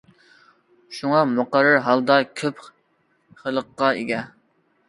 شۇڭا، مۇقەررەر ھالدا كۆپ خىللىققا ئىگە.